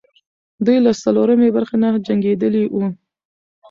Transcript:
دوی له څلورمې برخې نه جنګېدلې وو.